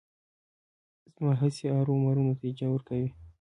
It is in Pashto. زما هڅې ارومرو نتیجه ورکوي.